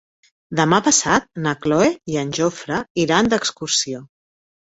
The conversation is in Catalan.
Demà passat na Cloè i en Jofre iran d'excursió.